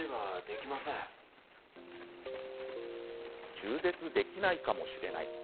中絶できないかもしれない。